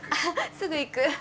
すぐ行く。